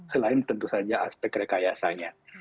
selain tentu saja aspek rekayasanya